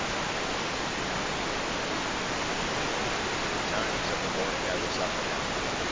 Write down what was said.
Betimes in the morning I was up and out.